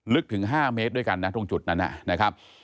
ลึกถึง๕เมตรด้วยกันนะตรงจุดนั้นนะครับ